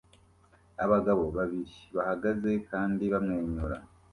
Abagabo babiri bahagaze kandi bamwenyura